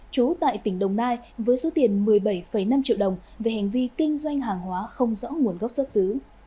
trú tại tỉnh đồng nai với số tiền một mươi bảy năm triệu đồng về hành vi kinh doanh hàng hóa không rõ nguồn gốc xuất xứ